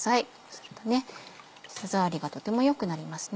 すると舌触りがとても良くなりますね。